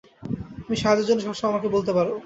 তুমি সাহায্যের জন্য সবসময় আমাকে বলতে পারো।